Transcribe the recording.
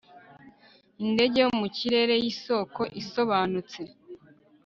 indege yo mu kirere yisoko isobanutse